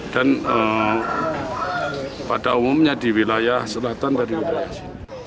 dan pada umumnya di wilayah selatan dari kota surabaya